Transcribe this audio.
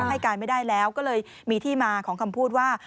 ให้การไม่ได้แล้วก็เลยมีที่มาของคำพูดว่า